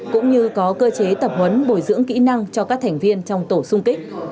cũng như có cơ chế tập huấn bồi dưỡng kỹ năng cho các thành viên trong tổ sung kích